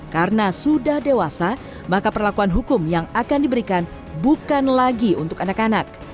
karena sudah dewasa maka perlakuan hukum yang akan diberikan bukan lagi untuk anak anak